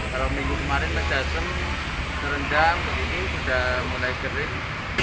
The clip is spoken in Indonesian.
kalau minggu kemarin mejaseng terendam ini sudah mulai kering